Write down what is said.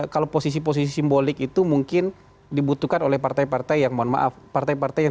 kalau posisi posisi simbolik itu mungkin dibutuhkan oleh partai partai yang mohon maaf partai partai yang